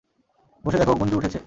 বসো দেখো গুঞ্জু উঠেছে?